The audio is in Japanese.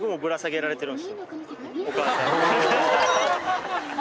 お母さんに。